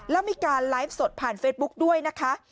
แล้วมีการไลฟ์สดผ่านเฟซบุ๊กด้วยนะคะ